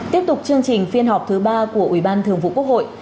tiếp tục chương trình phiên họp thứ ba của ủy ban thường vụ quốc hội